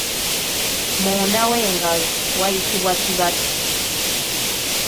Munda w'engalo wayitibwa kibatu.